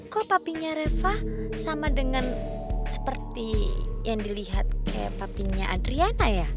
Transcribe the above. kok papinya reva sama dengan seperti yang dilihat kayak papinya adriana ya